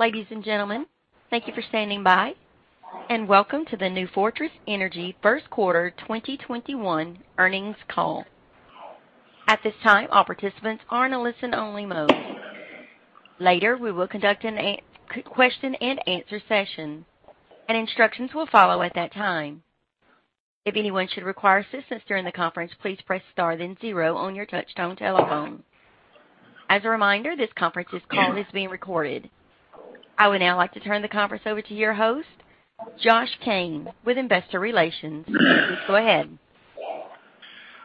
Ladies and gentlemen, thank you for standing by, and welcome to the New Fortress Energy first quarter 2021 earnings call. At this time, all participants are in a listen-only mode. Later, we will conduct a question-and-answer session, and instructions will follow at that time. If anyone should require assistance during the conference, please press star then zero on your touch-tone telephone. As a reminder, this conference is being recorded. I would now like to turn the conference over to your host, Josh Cain, with Investor Relations. Please go ahead.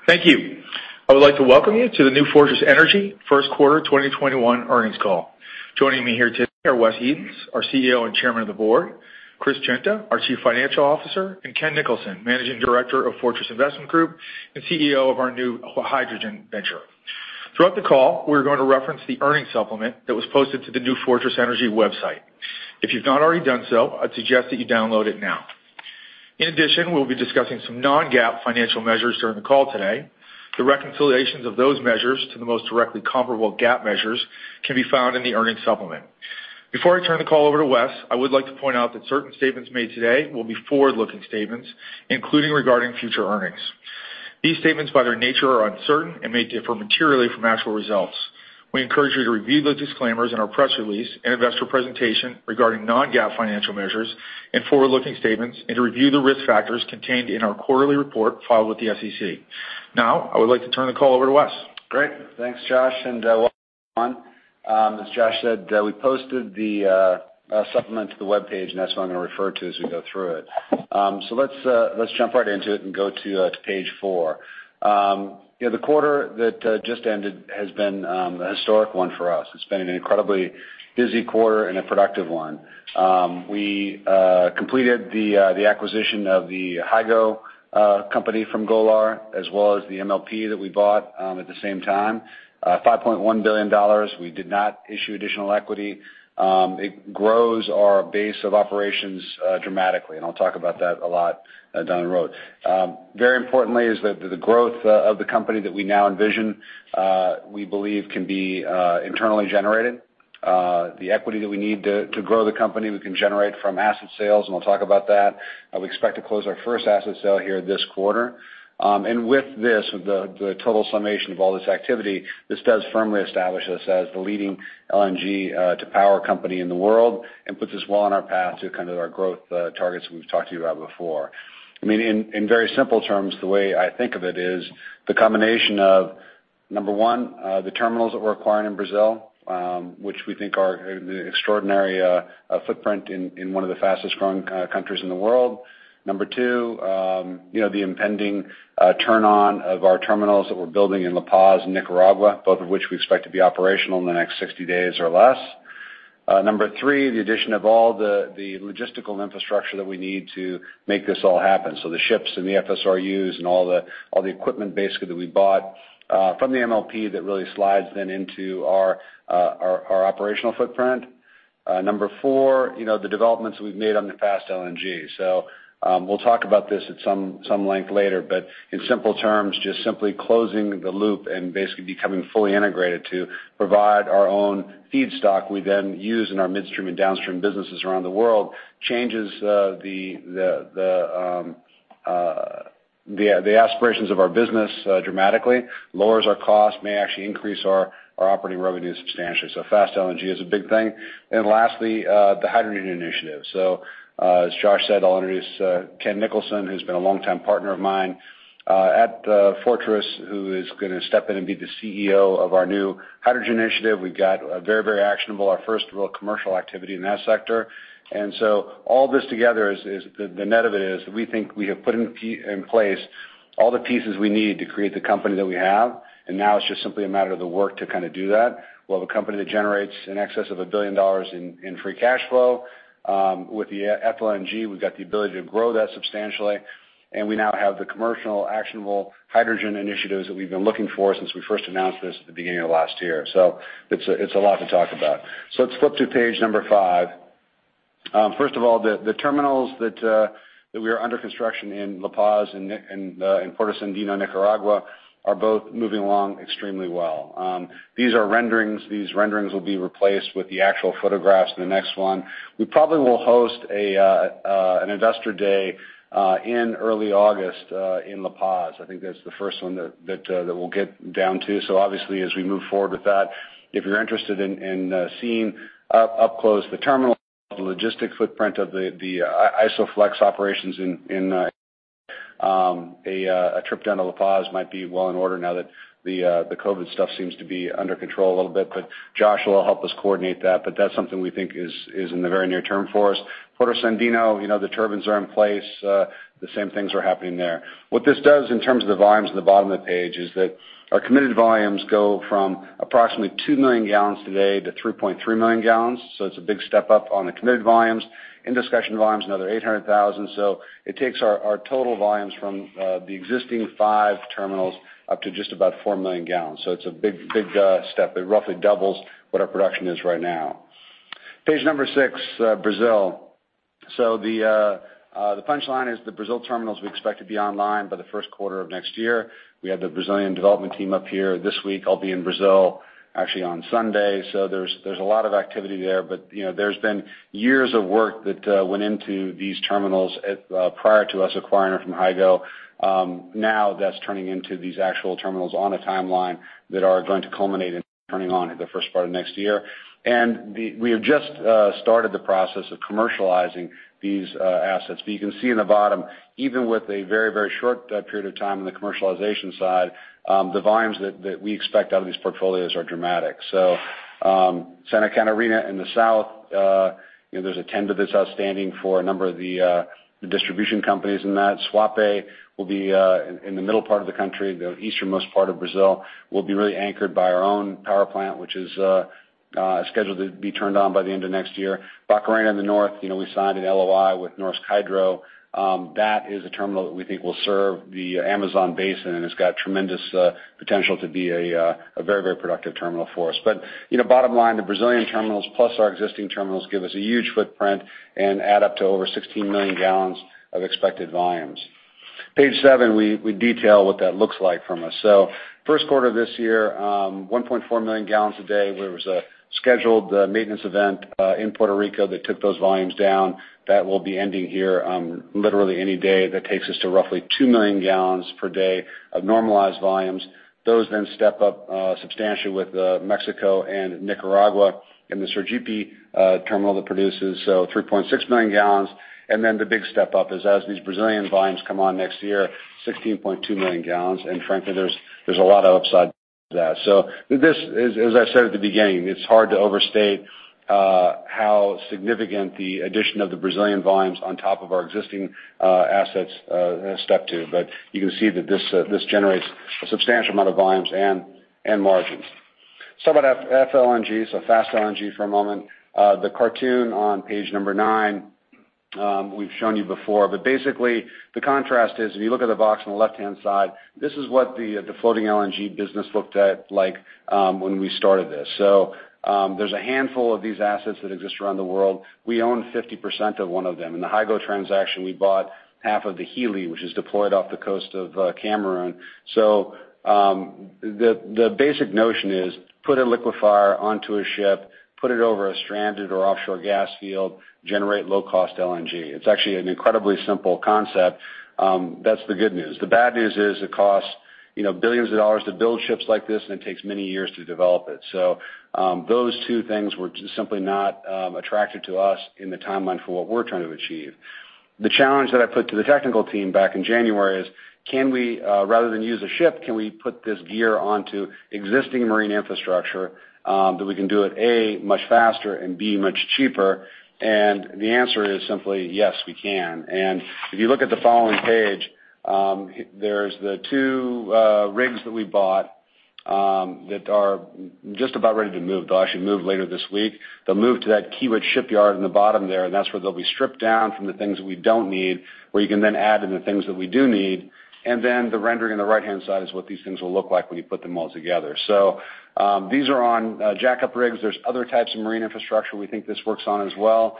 Thank you. I would like to welcome you to the New Fortress Energy first quarter 2021 earnings call. Joining me here today are Wesley Edens, our CEO and Chairman of the Board, Chris Guinta, our Chief Financial Officer, and Ken Nicholson, Managing Director of Fortress Investment Group and CEO of our new hydrogen venture. Throughout the call, we're going to reference the earnings supplement that was posted to the New Fortress Energy website. If you've not already done so, I'd suggest that you download it now. In addition, we'll be discussing some non-GAAP financial measures during the call today. The reconciliations of those measures to the most directly comparable GAAP measures can be found in the earnings supplement. Before I turn the call over to Wes, I would like to point out that certain statements made today will be forward-looking statements, including regarding future earnings. These statements, by their nature, are uncertain and may differ materially from actual results. We encourage you to review the disclaimers in our press release and investor presentation regarding non-GAAP financial measures and forward-looking statements, and to review the risk factors contained in our quarterly report filed with the SEC. Now, I would like to turn the call over to Wes. Great. Thanks, Josh, and welcome on. As Josh said, we posted the supplement to the webpage, and that's what I'm going to refer to as we go through it. So let's jump right into it and go to page four. The quarter that just ended has been a historic one for us. It's been an incredibly busy quarter and a productive one. We completed the acquisition of the Hygo company from Golar as well as the MLP that we bought at the same time, $5.1 billion. We did not issue additional equity. It grows our base of operations dramatically, and I'll talk about that a lot down the road. Very importantly, is that the growth of the company that we now envision, we believe, can be internally generated. The equity that we need to grow the company, we can generate from asset sales, and I'll talk about that. We expect to close our first asset sale here this quarter, and with this, with the total summation of all this activity, this does firmly establish us as the leading LNG-to-power company in the world and puts us well on our path to kind of our growth targets we've talked to you about before. I mean, in very simple terms, the way I think of it is the combination of number one, the terminals that we're acquiring in Brazil, which we think are an extraordinary footprint in one of the fastest-growing countries in the world. Number two, the impending turn-on of our terminals that we're building in La Paz and Nicaragua, both of which we expect to be operational in the next 60 days or less. Number three, the addition of all the logistical infrastructure that we need to make this all happen. So the ships and the FSRUs and all the equipment, basically, that we bought from the MLP that really slides then into our operational footprint. Number four, the developments that we've made on the Fast LNG. So we'll talk about this at some length later, but in simple terms, just simply closing the loop and basically becoming fully integrated to provide our own feedstock we then use in our midstream and downstream businesses around the world changes the aspirations of our business dramatically, lowers our costs, may actually increase our operating revenues substantially. So Fast LNG is a big thing. And lastly, the hydrogen initiative. So as Josh said, I'll introduce Ken Nicholson, who's been a longtime partner of mine at Fortress, who is going to step in and be the CEO of our new hydrogen initiative. We've got very, very actionable, our first real commercial activity in that sector. And so all this together, the net of it is that we think we have put in place all the pieces we need to create the company that we have, and now it's just simply a matter of the work to kind of do that. We'll have a company that generates in excess of $1 billion in free cash flow. With the FLNG, we've got the ability to grow that substantially, and we now have the commercial, actionable hydrogen initiatives that we've been looking for since we first announced this at the beginning of last year. So it's a lot to talk about. So let's flip to page number 5. First of all, the terminals that we are under construction in La Paz and Puerto Sandino, Nicaragua are both moving along extremely well. These are renderings. These renderings will be replaced with the actual photographs in the next one. We probably will host an investor day in early August in La Paz. I think that's the first one that we'll get down to. So obviously, as we move forward with that, if you're interested in seeing up close the terminal, the logistics footprint of the ISO Flex operations in a trip down to La Paz might be well in order now that the COVID stuff seems to be under control a little bit. But Josh will help us coordinate that, but that's something we think is in the very near term for us. Puerto Sandino, the turbines are in place. The same things are happening there. What this does in terms of the volumes at the bottom of the page is that our committed volumes go from approximately two million gallons today to 3.3 million gallons. So it's a big step up on the committed volumes. In discussion volumes, another 800,000. So it takes our total volumes from the existing five terminals up to just about 4 million gallons. So it's a big step. It roughly doubles what our production is right now. Page number six, Brazil. So the punchline is the Brazil terminals we expect to be online by the first quarter of next year. We have the Brazilian development team up here this week. I'll be in Brazil actually on Sunday. So there's a lot of activity there, but there's been years of work that went into these terminals prior to us acquiring them from Hygo. Now that's turning into these actual terminals on a timeline that are going to culminate in turning on in the first part of next year. And we have just started the process of commercializing these assets. But you can see in the bottom, even with a very, very short period of time on the commercialization side, the volumes that we expect out of these portfolios are dramatic. So Santa Catarina in the south, there's a tender that's outstanding for a number of the distribution companies in that. Suape will be in the middle part of the country. The easternmost part of Brazil will be really anchored by our own power plant, which is scheduled to be turned on by the end of next year. Barcarena in the north, we signed an LOI with Norsk Hydro. That is a terminal that we think will serve the Amazon basin and has got tremendous potential to be a very, very productive terminal for us. But bottom line, the Brazilian terminals plus our existing terminals give us a huge footprint and add up to over 16 million gallons of expected volumes. Page seven, we detail what that looks like from us. So first quarter of this year, 1.4 million gallons a day. There was a scheduled maintenance event in Puerto Rico that took those volumes down. That will be ending here literally any day. That takes us to roughly 2 million gallons per day of normalized volumes. Those then step up substantially with Mexico and Nicaragua and the Sergipe terminal that produces, so 3.6 million gallons. And then the big step up is as these Brazilian volumes come on next year, 16.2 million gallons. And frankly, there's a lot of upside to that. So this, as I said at the beginning, it's hard to overstate how significant the addition of the Brazilian volumes on top of our existing assets step to. But you can see that this generates a substantial amount of volumes and margins. Let's talk about FLNG, so fast LNG for a moment. The cartoon on page number nine, we've shown you before, but basically the contrast is if you look at the box on the left-hand side, this is what the floating LNG business looked like when we started this. So there's a handful of these assets that exist around the world. We own 50% of one of them. In the Hygo transaction, we bought half of the Hilli, which is deployed off the coast of Cameroon. So the basic notion is put a liquefier onto a ship, put it over a stranded or offshore gas field, generate low-cost LNG. It's actually an incredibly simple concept. That's the good news. The bad news is it costs billions of dollars to build ships like this, and it takes many years to develop it. So those two things were simply not attractive to us in the timeline for what we're trying to achieve. The challenge that I put to the technical team back in January is, rather than use a ship, can we put this gear onto existing marine infrastructure that we can do it, A, much faster and B, much cheaper? And the answer is simply, yes, we can. And if you look at the following page, there's the two rigs that we bought that are just about ready to move. They'll actually move later this week. They'll move to that Kiewit shipyard in the bottom there, and that's where they'll be stripped down from the things that we don't need, where you can then add in the things that we do need. And then the rendering on the right-hand side is what these things will look like when you put them all together. So these are on jack-up rigs. There's other types of marine infrastructure we think this works on as well.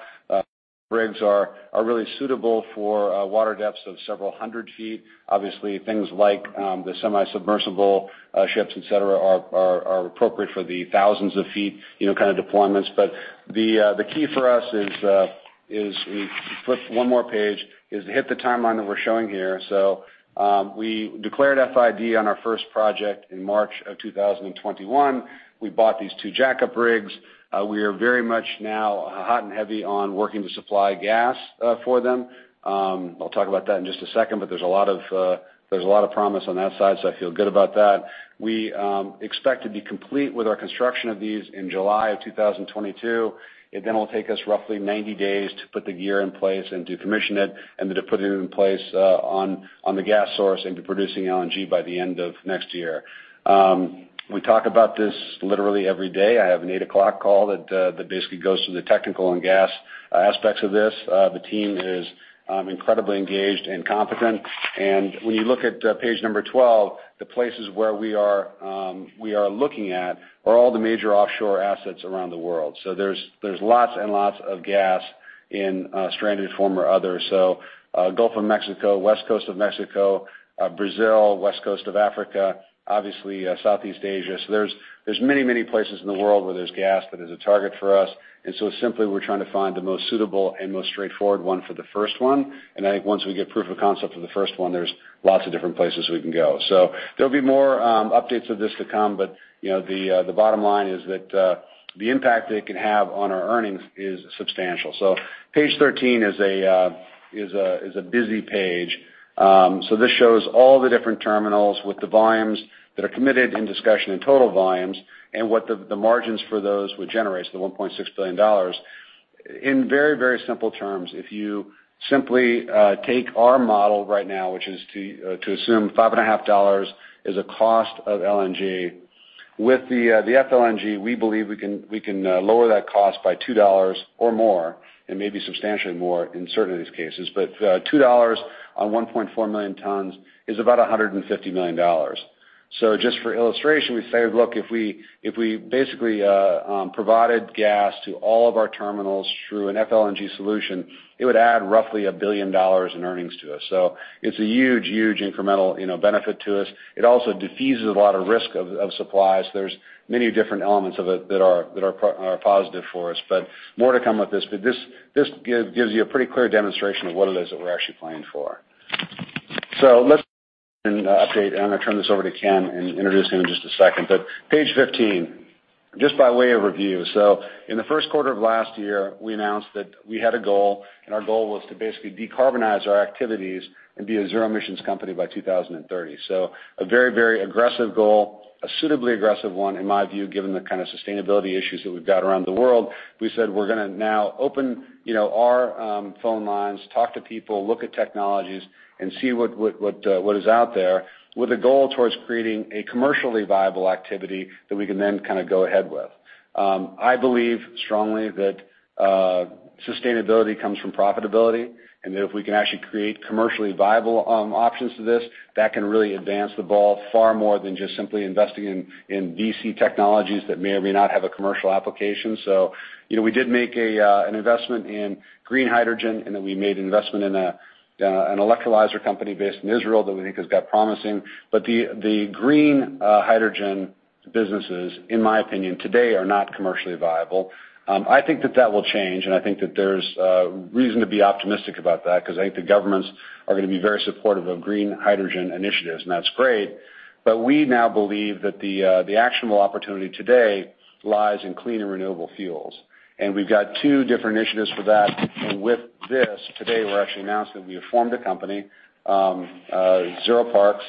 Rigs are really suitable for water depths of several hundred feet. Obviously, things like the semi-submersible ships, etc., are appropriate for the thousands of feet kind of deployments. But the key for us is, let me flip one more page, is to hit the timeline that we're showing here. So we declared FID on our first project in March of 2021. We bought these two jack-up rigs. We are very much now hot and heavy on working to supply gas for them. I'll talk about that in just a second, but there's a lot of promise on that side, so I feel good about that. We expect to be complete with our construction of these in July of 2022. It then will take us roughly 90 days to put the gear in place and to commission it and to put it in place on the gas source and be producing LNG by the end of next year. We talk about this literally every day. I have an 8:00 A.M. call that basically goes through the technical and gas aspects of this. The team is incredibly engaged and competent, and when you look at page 12, the places where we are looking at are all the major offshore assets around the world. So there's lots and lots of gas in stranded form or other. So Gulf of Mexico, West Coast of Mexico, Brazil, West Coast of Africa, obviously Southeast Asia. So there's many, many places in the world where there's gas that is a target for us. And so simply, we're trying to find the most suitable and most straightforward one for the first one. And I think once we get proof of concept for the first one, there's lots of different places we can go. So there'll be more updates of this to come, but the bottom line is that the impact that it can have on our earnings is substantial. So page 13 is a busy page. So this shows all the different terminals with the volumes that are committed, in discussion and total volumes and what the margins for those would generate, so the $1.6 billion. In very, very simple terms, if you simply take our model right now, which is to assume $5.5 is a cost of LNG, with the FLNG, we believe we can lower that cost by $2 or more, and maybe substantially more in certain of these cases. But $2 on 1.4 million tons is about $150 million. So just for illustration, we say, "Look, if we basically provided gas to all of our terminals through an FLNG solution, it would add roughly $1 billion in earnings to us." So it's a huge, huge incremental benefit to us. It also defeases a lot of risk of supplies. There's many different elements of it that are positive for us, but more to come with this. But this gives you a pretty clear demonstration of what it is that we're actually playing for. So, let's update, and I'm going to turn this over to Ken and introduce him in just a second. But page 15, just by way of review. So, in the first quarter of last year, we announced that we had a goal, and our goal was to basically decarbonize our activities and be a zero-emissions company by 2030. So, a very, very aggressive goal, a suitably aggressive one, in my view, given the kind of sustainability issues that we've got around the world. We said we're going to now open our phone lines, talk to people, look at technologies, and see what is out there with a goal towards creating a commercially viable activity that we can then kind of go ahead with. I believe strongly that sustainability comes from profitability, and that if we can actually create commercially viable options to this, that can really advance the ball far more than just simply investing in VC technologies that may or may not have a commercial application. So we did make an investment in green hydrogen, and then we made an investment in an electrolyzer company based in Israel that we think has got promising. But the green hydrogen businesses, in my opinion, today are not commercially viable. I think that that will change, and I think that there's reason to be optimistic about that because I think the governments are going to be very supportive of green hydrogen initiatives, and that's great. But we now believe that the actionable opportunity today lies in clean and renewable fuels. And we've got two different initiatives for that. With this, today, we're actually announcing that we have formed a company, ZeroParks.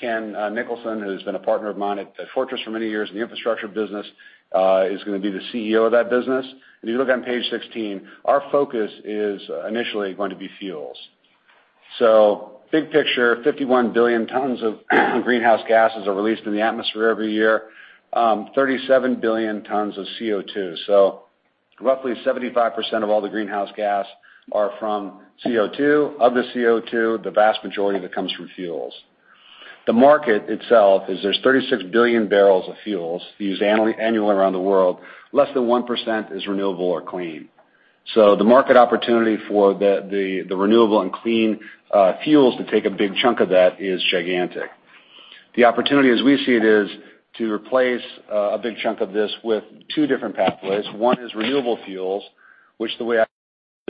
Ken Nicholson, who's been a partner of mine at Fortress for many years in the infrastructure business, is going to be the CEO of that business. If you look on page 16, our focus is initially going to be fuels. Big picture, 51 billion tons of greenhouse gases are released in the atmosphere every year, 37 billion tons of CO2. Roughly 75% of all the greenhouse gas are from CO2. Of the CO2, the vast majority of it comes from fuels. The market itself is, there's 36 billion barrels of fuels used annually around the world. Less than 1% is renewable or clean. The market opportunity for the renewable and clean fuels to take a big chunk of that is gigantic. The opportunity, as we see it, is to replace a big chunk of this with two different pathways. One is renewable fuels, which the way I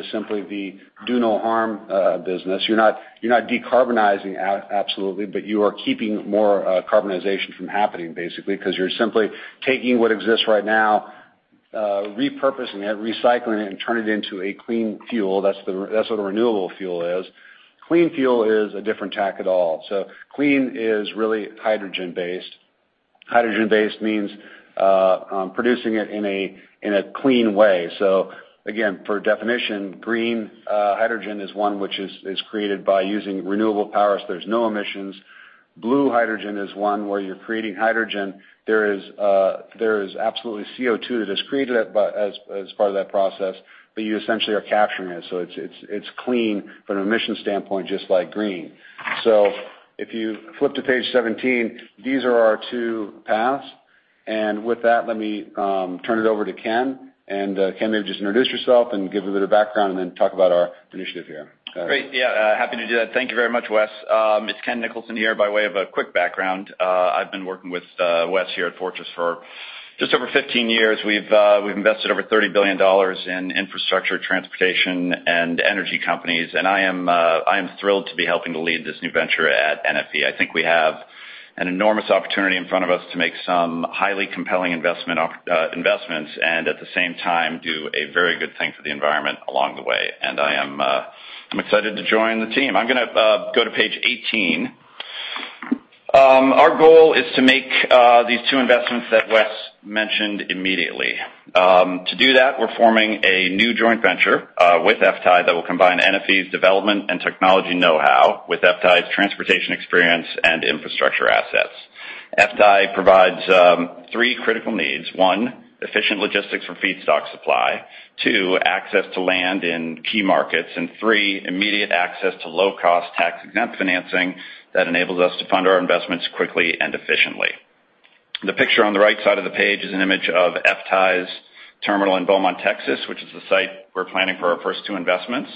see it is simply the do-no-harm business. You're not decarbonizing absolutely, but you are keeping more carbonization from happening, basically, because you're simply taking what exists right now, repurposing it, recycling it, and turning it into a clean fuel. That's what a renewable fuel is. Clean fuel is a different tack at all. So clean is really hydrogen-based. Hydrogen-based means producing it in a clean way. So again, for definition, green hydrogen is one which is created by using renewable power so there's no emissions. Blue hydrogen is one where you're creating hydrogen. There is absolutely CO2 that is created as part of that process, but you essentially are capturing it. So it's clean from an emission standpoint, just like green. So if you flip to page 17, these are our two paths. And with that, let me turn it over to Ken. And Ken, maybe just introduce yourself and give a bit of background and then talk about our initiative here. Great. Yeah. Happy to do that. Thank you very much, Wes. It's Ken Nicholson here by way of a quick background. I've been working with Wes here at Fortress for just over 15 years. We've invested over $30 billion in infrastructure, transportation, and energy companies. And I am thrilled to be helping to lead this new venture at NFE. I think we have an enormous opportunity in front of us to make some highly compelling investments and, at the same time, do a very good thing for the environment along the way. And I am excited to join the team. I'm going to go to page 18. Our goal is to make these two investments that Wes mentioned immediately. To do that, we're forming a new joint venture with FTAI that will combine NFE's development and technology know-how with FTAI's transportation experience and infrastructure assets. FTAI provides three critical needs. One, efficient logistics for feedstock supply. Two, access to land in key markets. And three, immediate access to low-cost, tax-exempt financing that enables us to fund our investments quickly and efficiently. The picture on the right side of the page is an image of FTAI's terminal in Beaumont, Texas, which is the site we're planning for our first two investments.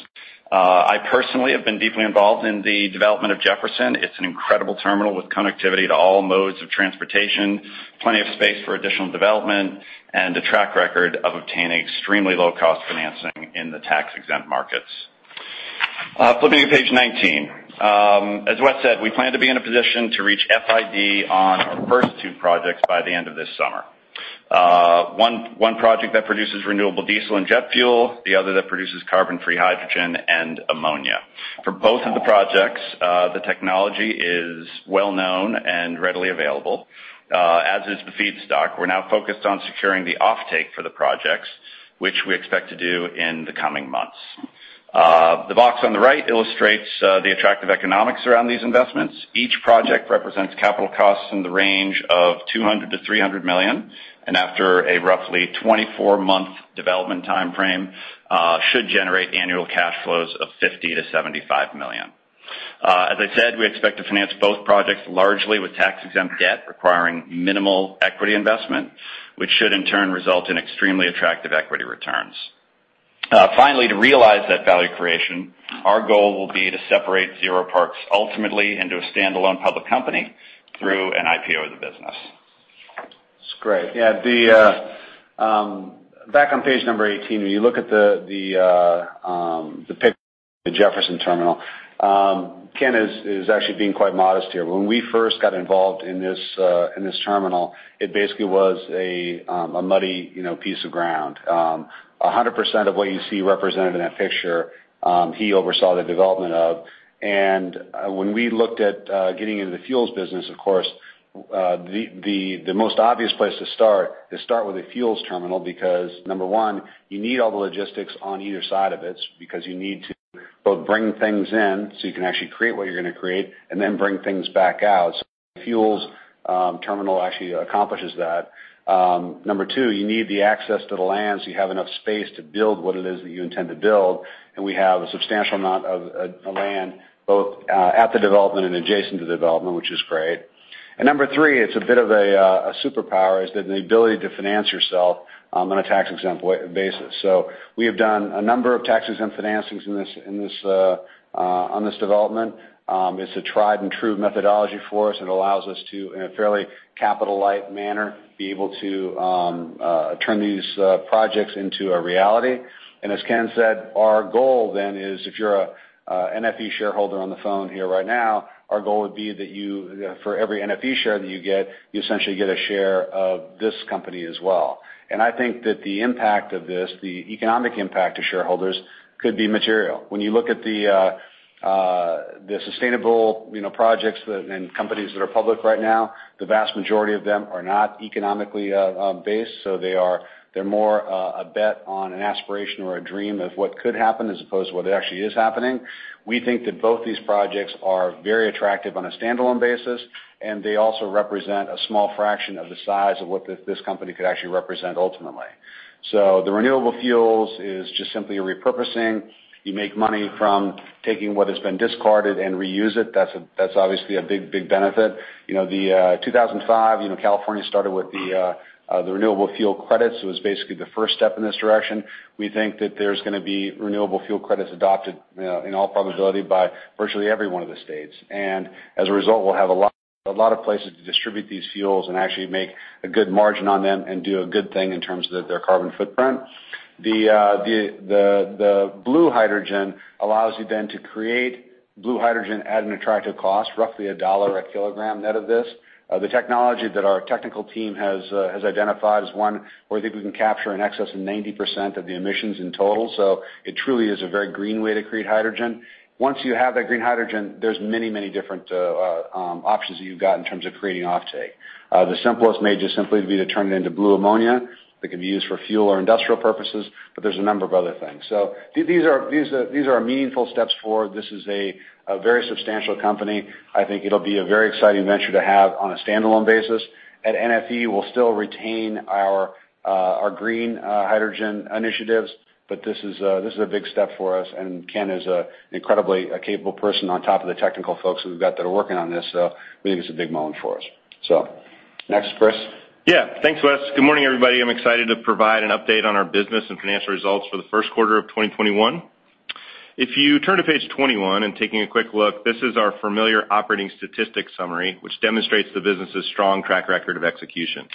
I personally have been deeply involved in the development of Jefferson. It's an incredible terminal with connectivity to all modes of transportation, plenty of space for additional development, and a track record of obtaining extremely low-cost financing in the tax-exempt markets. Flipping to page 19. As Wes said, we plan to be in a position to reach FID on our first two projects by the end of this summer. One project that produces renewable diesel and jet fuel, the other that produces carbon-free hydrogen and ammonia. For both of the projects, the technology is well-known and readily available, as is the feedstock. We're now focused on securing the offtake for the projects, which we expect to do in the coming months. The box on the right illustrates the attractive economics around these investments. Each project represents capital costs in the range of $200 million-$300 million, and after a roughly 24-month development timeframe, should generate annual cash flows of $50 million-$75 million. As I said, we expect to finance both projects largely with tax-exempt debt requiring minimal equity investment, which should, in turn, result in extremely attractive equity returns. Finally, to realize that value creation, our goal will be to separate ZeroParks ultimately into a standalone public company through an IPO of the business. That's great. Yeah. Back on page number 18, when you look at the picture of the Jefferson Terminal, Ken is actually being quite modest here. When we first got involved in this terminal, it basically was a muddy piece of ground. 100% of what you see represented in that picture, he oversaw the development of. And when we looked at getting into the fuels business, of course, the most obvious place to start is start with a fuels terminal because, number one, you need all the logistics on either side of it because you need to both bring things in so you can actually create what you're going to create and then bring things back out. So the fuels terminal actually accomplishes that. Number two, you need access to the land so you have enough space to build what it is that you intend to build. We have a substantial amount of land both at the development and adjacent to the development, which is great, and number three, it's a bit of a superpower, is the ability to finance yourself on a tax-exempt basis, so we have done a number of tax-exempt financings on this development. It's a tried-and-true methodology for us. It allows us to, in a fairly capital-light manner, be able to turn these projects into a reality, and as Ken said, our goal then is, if you're an NFE shareholder on the phone here right now, our goal would be that for every NFE share that you get, you essentially get a share of this company as well. And I think that the impact of this, the economic impact to shareholders, could be material. When you look at the sustainable projects and companies that are public right now, the vast majority of them are not economically based, so they're more a bet on an aspiration or a dream of what could happen as opposed to what actually is happening. We think that both these projects are very attractive on a standalone basis, and they also represent a small fraction of the size of what this company could actually represent ultimately. So the renewable fuels is just simply a repurposing. You make money from taking what has been discarded and reuse it. That's obviously a big, big benefit. In 2005, California started with the renewable fuel credits. It was basically the first step in this direction. We think that there's going to be renewable fuel credits adopted in all probability by virtually every one of the states. And as a result, we'll have a lot of places to distribute these fuels and actually make a good margin on them and do a good thing in terms of their carbon footprint. The blue hydrogen allows you then to create blue hydrogen at an attractive cost, roughly $1 a kilogram net of this. The technology that our technical team has identified is one where I think we can capture in excess of 90% of the emissions in total. So it truly is a very green way to create hydrogen. Once you have that green hydrogen, there's many, many different options that you've got in terms of creating offtake. The simplest may just simply be to turn it into blue ammonia that can be used for fuel or industrial purposes, but there's a number of other things. So these are meaningful steps forward. This is a very substantial company. I think it'll be a very exciting venture to have on a standalone basis. At NFE, we'll still retain our green hydrogen initiatives, but this is a big step for us. And Ken is an incredibly capable person on top of the technical folks that we've got that are working on this. So we think it's a big moment for us. So next, Chris. Yeah. Thanks, Wes. Good morning, everybody. I'm excited to provide an update on our business and financial results for the first quarter of 2021. If you turn to page 21 and take a quick look, this is our familiar operating statistics summary, which demonstrates the business's strong track record of execution.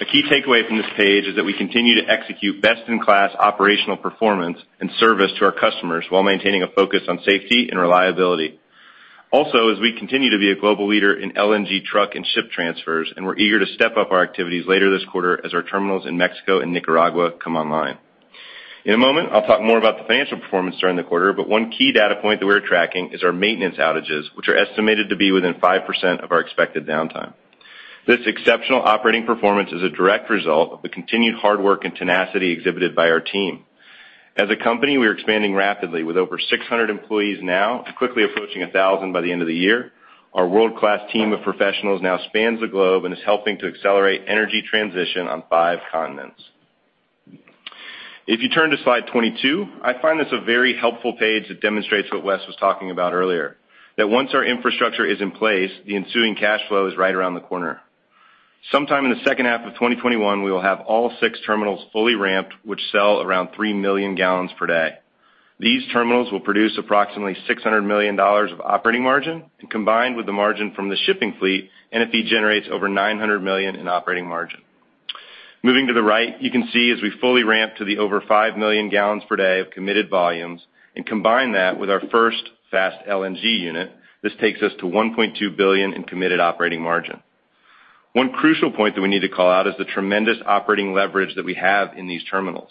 A key takeaway from this page is that we continue to execute best-in-class operational performance and service to our customers while maintaining a focus on safety and reliability. Also, as we continue to be a global leader in LNG truck and ship transfers, and we're eager to step up our activities later this quarter as our terminals in Mexico and Nicaragua come online. In a moment, I'll talk more about the financial performance during the quarter, but one key data point that we're tracking is our maintenance outages, which are estimated to be within 5% of our expected downtime. This exceptional operating performance is a direct result of the continued hard work and tenacity exhibited by our team. As a company, we're expanding rapidly with over 600 employees now and quickly approaching 1,000 by the end of the year. Our world-class team of professionals now spans the globe and is helping to accelerate energy transition on five continents. If you turn to slide 22, I find this a very helpful page that demonstrates what Wes was talking about earlier, that once our infrastructure is in place, the ensuing cash flow is right around the corner. Sometime in the second half of 2021, we will have all six terminals fully ramped, which sell around 3 million gallons per day. These terminals will produce approximately $600 million of operating margin. And combined with the margin from the shipping fleet, NFE generates over $900 million in operating margin. Moving to the right, you can see as we fully ramp to the over 5 million gallons per day of committed volumes. And combine that with our first Fast LNG unit, this takes us to $1.2 billion in committed operating margin. One crucial point that we need to call out is the tremendous operating leverage that we have in these terminals.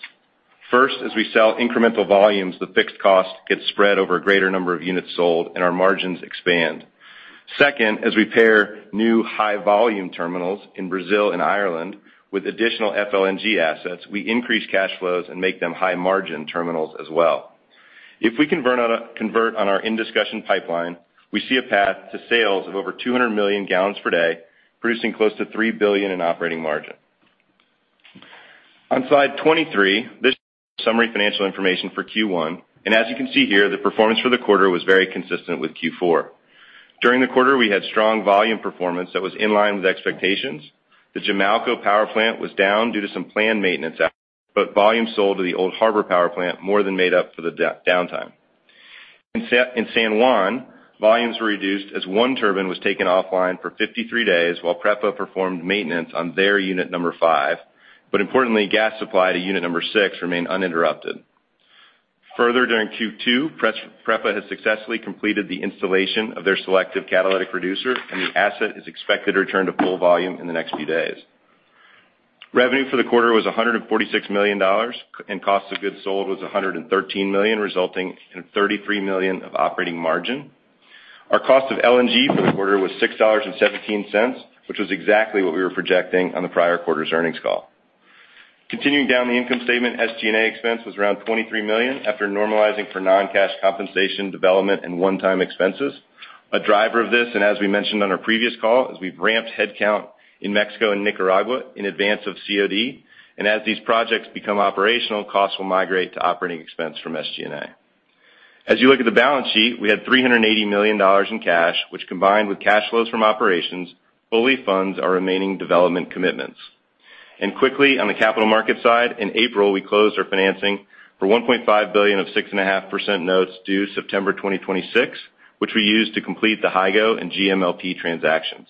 First, as we sell incremental volumes, the fixed cost gets spread over a greater number of units sold, and our margins expand. Second, as we pair new high-volume terminals in Brazil and Ireland with additional FLNG assets, we increase cash flows and make them high-margin terminals as well. If we convert on our in-discussion pipeline, we see a path to sales of over 200 million gallons per day, producing close to $3 billion in operating margin. On slide 23, this summary financial information for Q1. And as you can see here, the performance for the quarter was very consistent with Q4. During the quarter, we had strong volume performance that was in line with expectations. The Jamalco power plant was down due to some planned maintenance, but volume sold to the Old Harbour power plant more than made up for the downtime. In San Juan, volumes were reduced as one turbine was taken offline for 53 days while PREPA performed maintenance on their unit number five. But importantly, gas supply to unit number six remained uninterrupted. Further, during Q2, PREPA has successfully completed the installation of their Selective Catalytic Reducer, and the asset is expected to return to full volume in the next few days. Revenue for the quarter was $146 million, and cost of goods sold was $113 million, resulting in $33 million of operating margin. Our cost of LNG for the quarter was $6.17, which was exactly what we were projecting on the prior quarter's earnings call. Continuing down the income statement, SG&A expense was around $23 million after normalizing for non-cash compensation, development, and one-time expenses. A driver of this, and as we mentioned on our previous call, is we've ramped headcount in Mexico and Nicaragua in advance of COD, and as these projects become operational, costs will migrate to operating expense from SG&A. As you look at the balance sheet, we had $380 million in cash, which combined with cash flows from operations, fully funds our remaining development commitments, and quickly, on the capital market side, in April, we closed our financing for $1.5 billion of 6.5% notes due September 2026, which we used to complete the Hygo and GMLP transactions.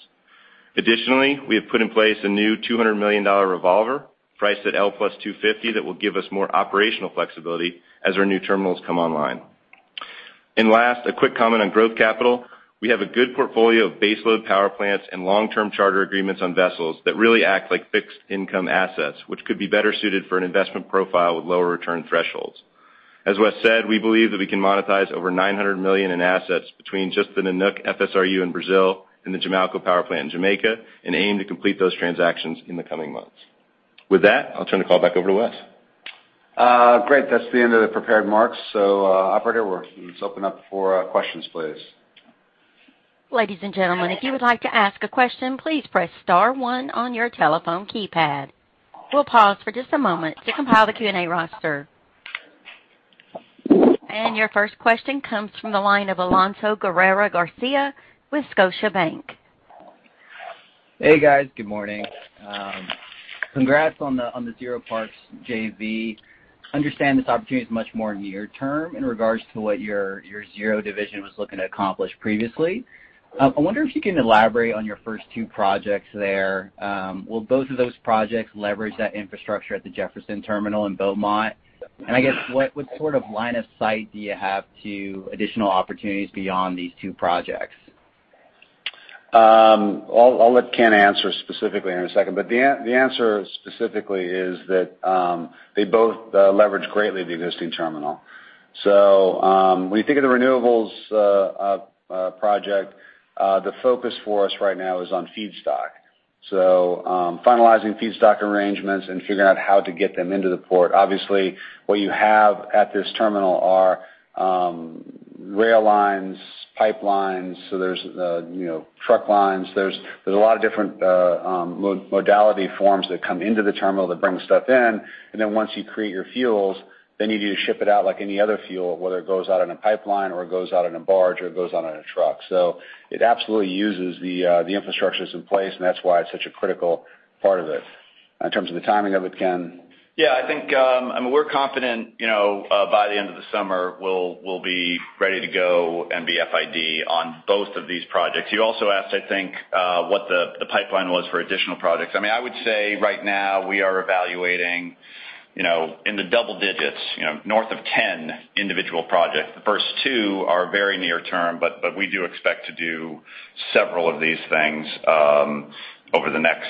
Additionally, we have put in place a new $200 million revolver priced at L plus 250 that will give us more operational flexibility as our new terminals come online. Last, a quick comment on growth capital. We have a good portfolio of baseload power plants and long-term charter agreements on vessels that really act like fixed-income assets, which could be better suited for an investment profile with lower return thresholds. As Wes said, we believe that we can monetize over $900 million in assets between just the Nanook FSRU in Brazil and the Jamalco power plant in Jamaica and aim to complete those transactions in the coming months. With that, I'll turn the call back over to Wes. Great. That's the end of the prepared remarks. So operator, let's open up for questions, please. Ladies and gentlemen, if you would like to ask a question, please press star one on your telephone keypad. We'll pause for just a moment to compile the Q&A roster. And your first question comes from the line of Alonso Guerra-Garcia with Scotiabank. Hey, guys. Good morning. Congrats on the ZeroParks JV. Understand this opportunity is much more near-term in regards to what your Zero division was looking to accomplish previously. I wonder if you can elaborate on your first two projects there. Will both of those projects leverage that infrastructure at the Jefferson terminal in Beaumont? And I guess, what sort of line of sight do you have to additional opportunities beyond these two projects? I'll let Ken answer specifically in a second. But the answer specifically is that they both leverage greatly the existing terminal. So when you think of the renewables project, the focus for us right now is on feedstock. So finalizing feedstock arrangements and figuring out how to get them into the port. Obviously, what you have at this terminal are rail lines, pipelines. So there's truck lines. There's a lot of different modality forms that come into the terminal that bring stuff in. And then once you create your fuels, then you need to ship it out like any other fuel, whether it goes out in a pipeline or it goes out in a barge or it goes out in a truck. So it absolutely uses the infrastructure that's in place, and that's why it's such a critical part of it. In terms of the timing of it, Ken? Yeah. I mean, we're confident by the end of the summer, we'll be ready to go and be FID on both of these projects. You also asked, I think, what the pipeline was for additional projects. I mean, I would say right now, we are evaluating in the double digits, north of 10 individual projects. The first two are very near-term, but we do expect to do several of these things over the next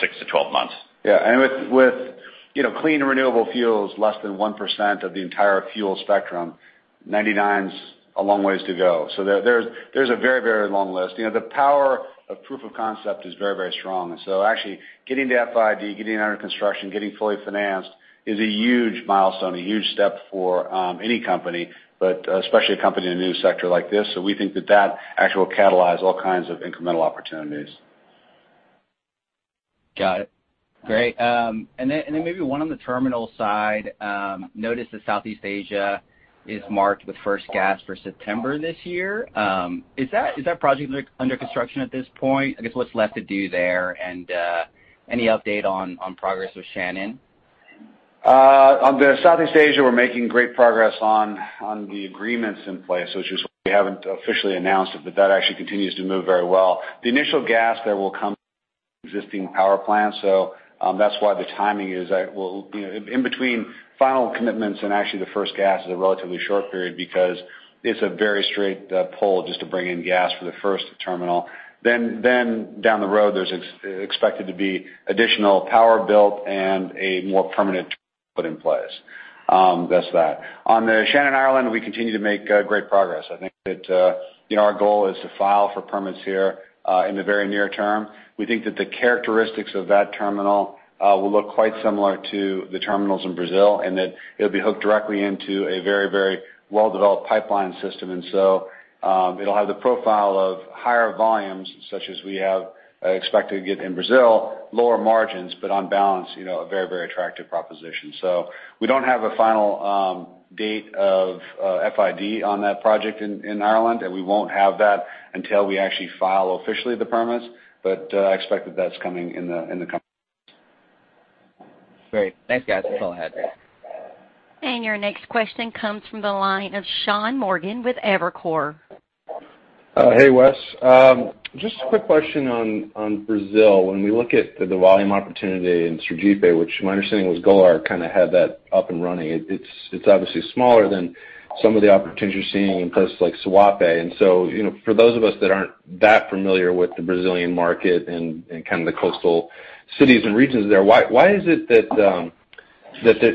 six to 12 months. Yeah. And with clean renewable fuels, less than 1% of the entire fuel spectrum, 99% is a long ways to go. So there's a very, very long list. The power of proof of concept is very, very strong. And so actually getting to FID, getting it under construction, getting fully financed is a huge milestone, a huge step for any company, but especially a company in a new sector like this. So we think that that actually will catalyze all kinds of incremental opportunities. Got it. Great. And then maybe one on the terminal side. Notice that Southeast Asia is marked with first gas for September this year. Is that project under construction at this point? I guess what's left to do there? And any update on progress with Shannon? On Southeast Asia, we're making great progress on the agreements in place, which is why we haven't officially announced it, but that actually continues to move very well. The initial gas there will come from existing power plants. So that's why the timing is in between final commitments and actually the first gas is a relatively short period because it's a very straight pull just to bring in gas for the first terminal. Then down the road, there's expected to be additional power built and a more permanent put in place. That's that. On the Shannon, Ireland, we continue to make great progress. I think that our goal is to file for permits here in the very near term. We think that the characteristics of that terminal will look quite similar to the terminals in Brazil and that it'll be hooked directly into a very, very well-developed pipeline system. And so it'll have the profile of higher volumes, such as we have expected to get in Brazil, lower margins, but on balance, a very, very attractive proposition. So we don't have a final date of FID on that project in Ireland, and we won't have that until we actually file officially the permits. But I expect that that's coming in the coming months. Great. Thanks, guys. That's all I had. And your next question comes from the line of Sean Morgan with Evercore. Hey, Wes. Just a quick question on Brazil. When we look at the volume opportunity in Sergipe, which my understanding was Golar kind of had that up and running, it's obviously smaller than some of the opportunities you're seeing in places like Suape, and so for those of us that aren't that familiar with the Brazilian market and kind of the coastal cities and regions there, why is it that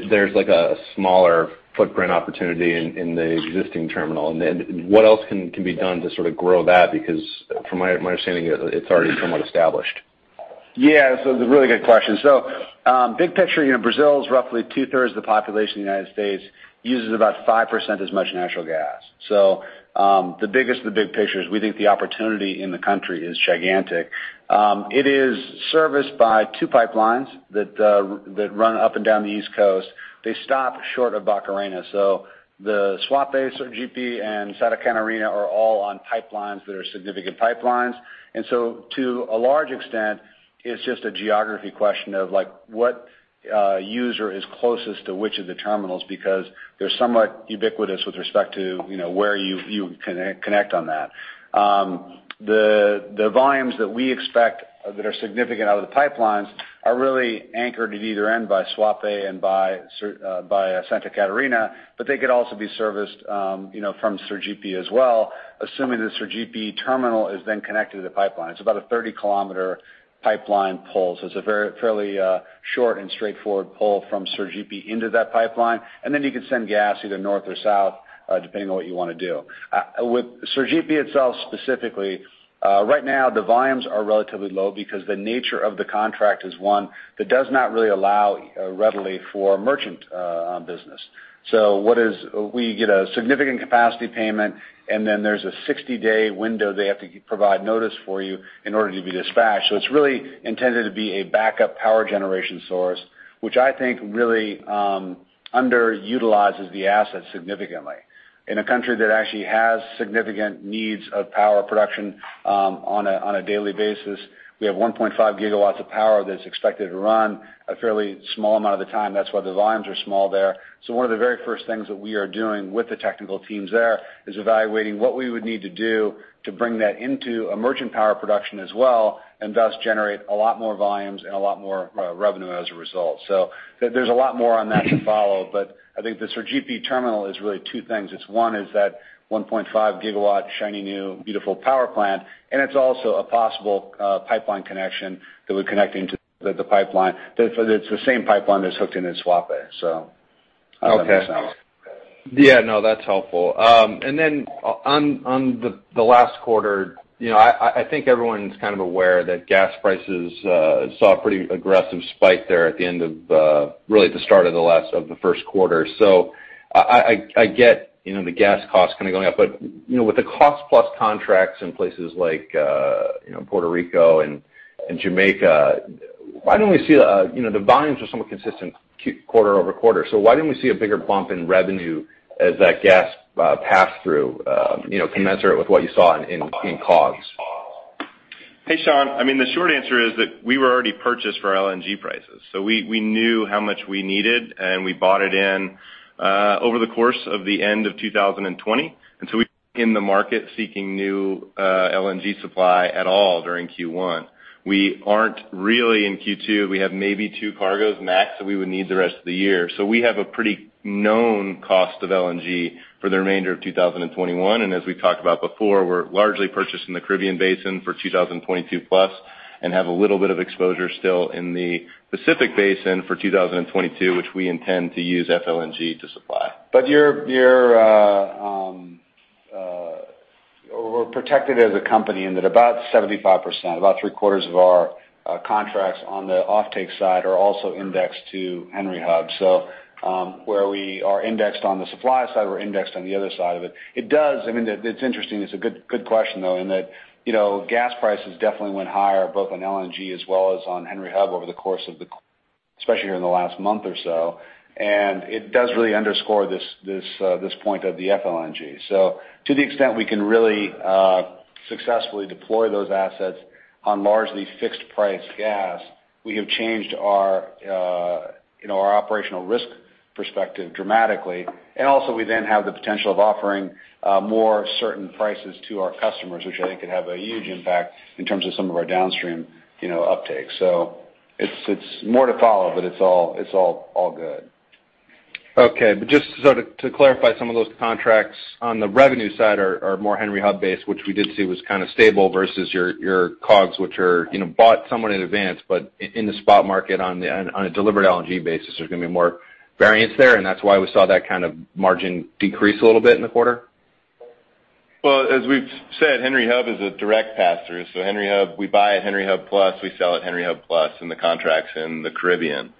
there's a smaller footprint opportunity in the existing terminal and what else can be done to sort of grow that? Because from my understanding, it's already somewhat established. Yeah, so it's a really good question, so big picture, Brazil's roughly two-thirds of the population of the United States uses about 5% as much natural gas, so the biggest of the big picture is we think the opportunity in the country is gigantic. It is serviced by two pipelines that run up and down the East Coast. They stop short of Barcarena. So the Suape, Sergipe, and Santa Catarina are all on pipelines that are significant pipelines. And so to a large extent, it's just a geography question of what user is closest to which of the terminals because they're somewhat ubiquitous with respect to where you can connect on that. The volumes that we expect that are significant out of the pipelines are really anchored at either end by Suape and by Santa Catarina, but they could also be serviced from Sergipe as well, assuming the Sergipe terminal is then connected to the pipeline. It's about a 30 km pipeline pull. So it's a fairly short and straightforward pull from Sergipe into that pipeline. And then you could send gas either north or south, depending on what you want to do. With Sergipe itself specifically, right now, the volumes are relatively low because the nature of the contract is one that does not really allow readily for merchant business. So we get a significant capacity payment, and then there's a 60-day window they have to provide notice for you in order to be dispatched. So it's really intended to be a backup power generation source, which I think really underutilizes the asset significantly. In a country that actually has significant needs of power production on a daily basis, we have 1.5 gigawatts of power that's expected to run a fairly small amount of the time. That's why the volumes are small there. So one of the very first things that we are doing with the technical teams there is evaluating what we would need to do to bring that into a merchant power production as well and thus generate a lot more volumes and a lot more revenue as a result. So there's a lot more on that to follow. But I think the Sergipe terminal is really two things. One is that 1.5-gigawatt shiny new beautiful power plant, and it's also a possible pipeline connection that would connect into the pipeline. It's the same pipeline that's hooked into Suape, so that makes sense. Yeah. No, that's helpful. And then on the last quarter, I think everyone's kind of aware that gas prices saw a pretty aggressive spike there at the end of really at the start of the first quarter. So I get the gas costs kind of going up. But with the cost-plus contracts in places like Puerto Rico and Jamaica, why don't we see the volumes are somewhat consistent quarter over quarter? So why don't we see a bigger bump in revenue as that gas pass-through commensurate with what you saw in COGS? Hey, Sean. I mean, the short answer is that we had already purchased for LNG prices. So we knew how much we needed, and we bought it in over the course of the end of 2020. And so we've been in the market seeking new LNG supply a lot during Q1. We aren't really in Q2. We have maybe two cargoes max that we would need the rest of the year. So we have a pretty known cost of LNG for the remainder of 2021. As we talked about before, we're largely purchased in the Caribbean Basin for 2022 plus and have a little bit of exposure still in the Pacific Basin for 2022, which we intend to use FLNG to supply. But you're protected as a company in that about 75%, about three-quarters of our contracts on the offtake side are also indexed to Henry Hub. So where we are indexed on the supply side, we're indexed on the other side of it. It does. I mean, it's interesting. It's a good question, though, in that gas prices definitely went higher, both on LNG as well as on Henry Hub over the course of the quarter, especially here in the last month or so. It does really underscore this point of the FLNG. So to the extent we can really successfully deploy those assets on largely fixed-price gas, we have changed our operational risk perspective dramatically. And also, we then have the potential of offering more certain prices to our customers, which I think could have a huge impact in terms of some of our downstream uptake. So it's more to follow, but it's all good. Okay. But just so to clarify, some of those contracts on the revenue side are more Henry Hub-based, which we did see was kind of stable versus your COGS, which are bought somewhat in advance. But in the spot market on a delivered LNG basis, there's going to be more variance there. And that's why we saw that kind of margin decrease a little bit in the quarter. Well, as we've said, Henry Hub is a direct pass-through. So Henry Hub, we buy at Henry Hub plus. We sell at Henry Hub plus in the contracts in the Caribbean.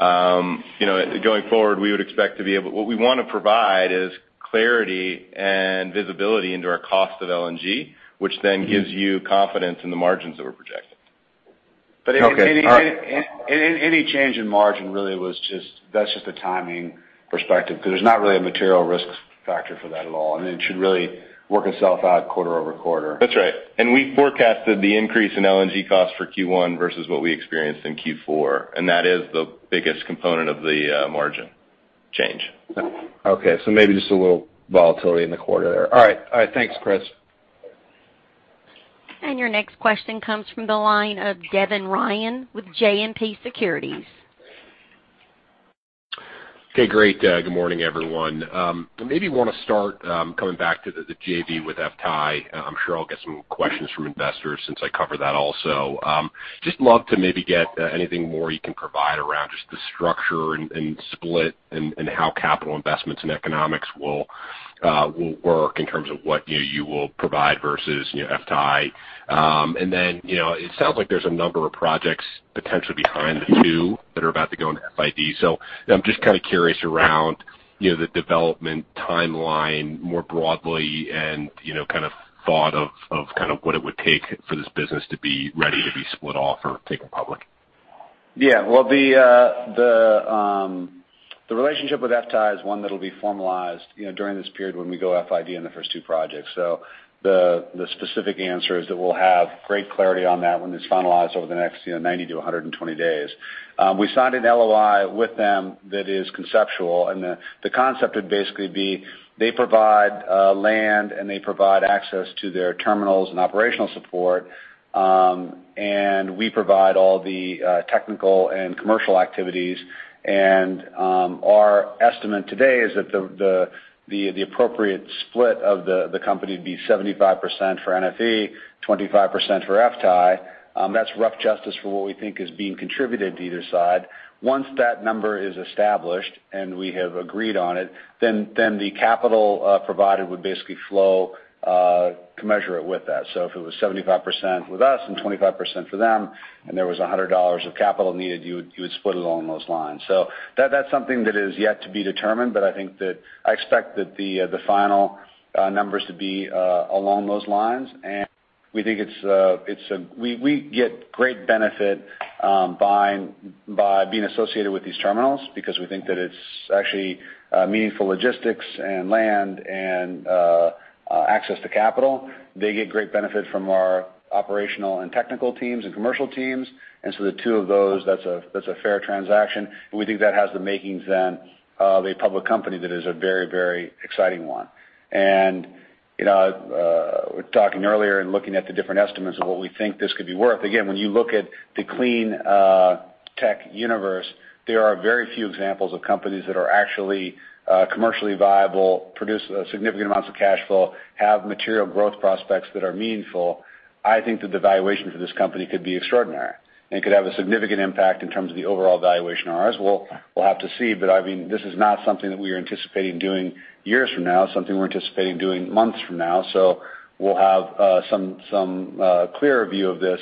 Going forward, we would expect to be able; what we want to provide is clarity and visibility into our cost of LNG, which then gives you confidence in the margins that we're projecting. But any change in margin really was just; that's just a timing perspective because there's not really a material risk factor for that at all. And it should really work itself out quarter over quarter. That's right. And we forecasted the increase in LNG costs for Q1 versus what we experienced in Q4. And that is the biggest component of the margin change. Okay. So maybe just a little volatility in the quarter there. All right. All right. Thanks, Chris. And your next question comes from the line of Devin Ryan with JMP Securities. Okay. Great. Good morning, everyone. I maybe want to start coming back to the JV with FTAI. I'm sure I'll get some questions from investors since I cover that also. Just love to maybe get anything more you can provide around just the structure and split and how capital investments and economics will work in terms of what you will provide versus FTAI, and then it sounds like there's a number of projects potentially behind the two that are about to go into FID, so I'm just kind of curious around the development timeline more broadly and kind of thought of kind of what it would take for this business to be ready to be split off or taken public. Yeah, well, the relationship with FTAI is one that'll be formalized during this period when we go FID in the first two projects. So the specific answer is that we'll have great clarity on that when it's finalized over the next 90-120 days. We signed an LOI with them that is conceptual. And the concept would basically be they provide land and they provide access to their terminals and operational support. And we provide all the technical and commercial activities. And our estimate today is that the appropriate split of the company would be 75% for NFE, 25% for FTAI. That's rough justice for what we think is being contributed to either side. Once that number is established and we have agreed on it, then the capital provided would basically flow to measure it with that. So if it was 75% with us and 25% for them, and there was $100 of capital needed, you would split it along those lines. So that's something that is yet to be determined. I think that I expect that the final numbers to be along those lines. We think it's that we get great benefit by being associated with these terminals because we think that it's actually meaningful logistics and land and access to capital. They get great benefit from our operational and technical teams and commercial teams. So the two of those, that's a fair transaction. We think that has the makings then of a public company that is a very, very exciting one. Talking earlier and looking at the different estimates of what we think this could be worth, again, when you look at the clean tech universe, there are very few examples of companies that are actually commercially viable, produce significant amounts of cash flow, have material growth prospects that are meaningful. I think that the valuation for this company could be extraordinary and could have a significant impact in terms of the overall valuation of ours. We'll have to see. But I mean, this is not something that we are anticipating doing years from now. It's something we're anticipating doing months from now. So we'll have some clearer view of this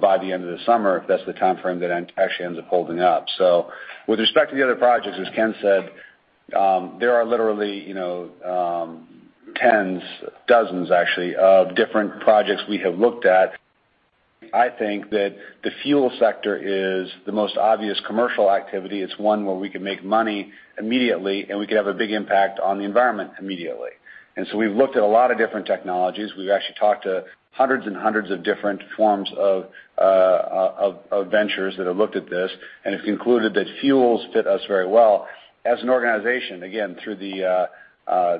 by the end of the summer if that's the timeframe that actually ends up holding up. So with respect to the other projects, as Ken said, there are literally tens, dozens, actually, of different projects we have looked at. I think that the fuel sector is the most obvious commercial activity. It's one where we can make money immediately, and we can have a big impact on the environment immediately. And so we've looked at a lot of different technologies. We've actually talked to hundreds and hundreds of different forms of ventures that have looked at this and have concluded that fuels fit us very well. As an organization, again, through the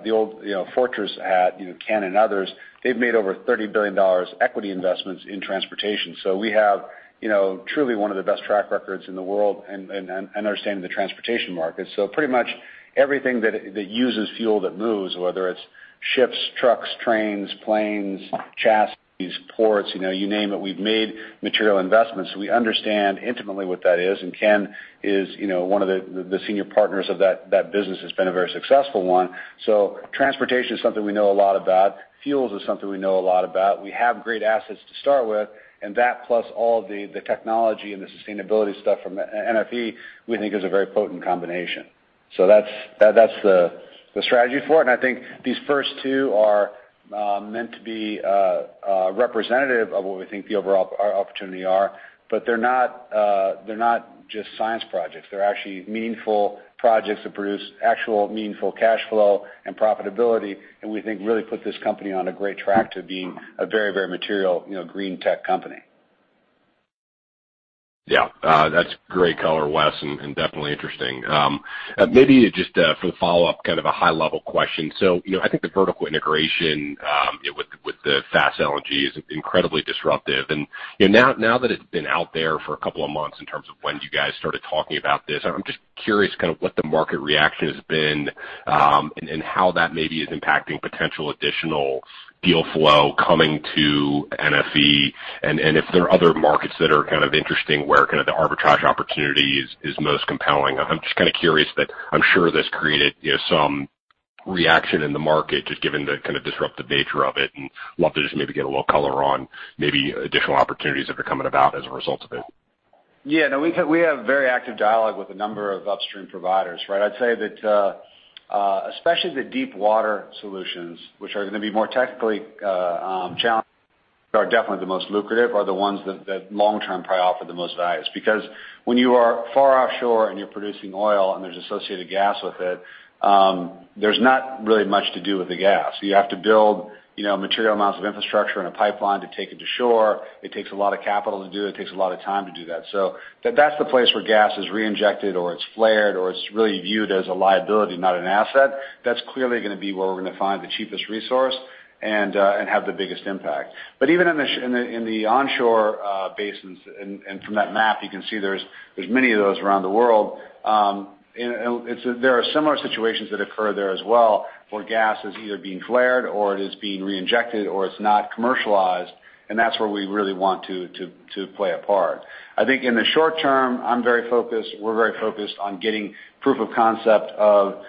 old Fortress hat, Ken and others, they've made over $30 billion equity investments in transportation. So we have truly one of the best track records in the world in understanding the transportation market. So pretty much everything that uses fuel that moves, whether it's ships, trucks, trains, planes, chassis, ports, you name it, we've made material investments. We understand intimately what that is. And Ken is one of the senior partners of that business. It's been a very successful one. So transportation is something we know a lot about. Fuels is something we know a lot about. We have great assets to start with. And that, plus all of the technology and the sustainability stuff from NFE, we think is a very potent combination. So that's the strategy for it. And I think these first two are meant to be representative of what we think the overall opportunity are. But they're not just science projects. They're actually meaningful projects that produce actual meaningful cash flow and profitability. And we think really put this company on a great track to being a very, very material green tech company. Yeah. That's great color, Wes, and definitely interesting. Maybe just for the follow-up, kind of a high-level question. So I think the vertical integration with the Fast LNG is incredibly disruptive. Now that it's been out there for a couple of months in terms of when you guys started talking about this, I'm just curious kind of what the market reaction has been and how that maybe is impacting potential additional deal flow coming to NFE and if there are other markets that are kind of interesting where kind of the arbitrage opportunity is most compelling. I'm just kind of curious that I'm sure this created some reaction in the market just given the kind of disruptive nature of it. And love to just maybe get a little color on maybe additional opportunities that are coming about as a result of it. Yeah. No, we have very active dialogue with a number of upstream providers, right? I'd say that especially the deep water solutions, which are going to be more technically challenging, are definitely the most lucrative, are the ones that long-term probably offer the most value. Because when you are far offshore and you're producing oil and there's associated gas with it, there's not really much to do with the gas. You have to build material amounts of infrastructure and a pipeline to take it to shore. It takes a lot of capital to do it. It takes a lot of time to do that. So that's the place where gas is reinjected or it's flared or it's really viewed as a liability, not an asset. That's clearly going to be where we're going to find the cheapest resource and have the biggest impact. But even in the onshore basins and from that map, you can see there's many of those around the world. There are similar situations that occur there as well where gas is either being flared or it is being reinjected or it's not commercialized, and that's where we really want to play a part. I think in the short term, I'm very focused. We're very focused on getting proof of concept of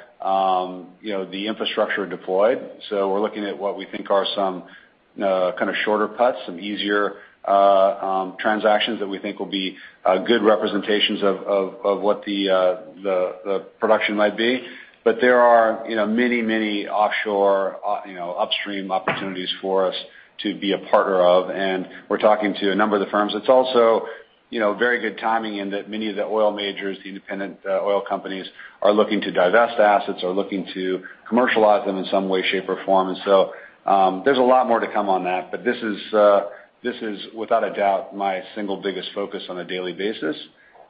the infrastructure deployed, so we're looking at what we think are some kind of shorter cuts, some easier transactions that we think will be good representations of what the production might be, but there are many, many offshore upstream opportunities for us to be a partner of, and we're talking to a number of the firms. It's also very good timing in that many of the oil majors, the independent oil companies, are looking to divest assets or looking to commercialize them in some way, shape, or form, and so there's a lot more to come on that. But this is, without a doubt, my single biggest focus on a daily basis.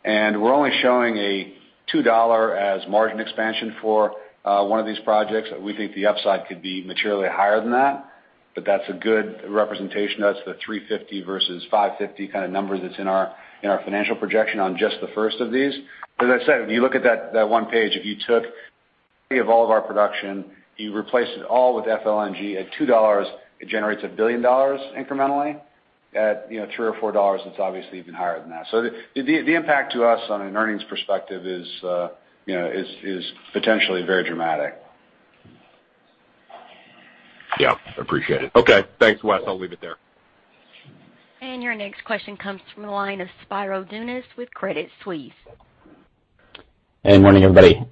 And we're only showing a $2 as margin expansion for one of these projects. We think the upside could be materially higher than that. But that's a good representation. That's the 350 versus 550 kind of number that's in our financial projection on just the first of these. As I said, if you look at that one page, if you took any of all of our production, you replace it all with FLNG at $2, it generates a billion dollars incrementally. At $3 or $4, it's obviously even higher than that. So the impact to us on an earnings perspective is potentially very dramatic. Yep. I appreciate it. Okay. Thanks, Wes. I'll leave it there. And your next question comes from the line of Spiro Dounis with Credit Suisse. Hey. Morning, everybody.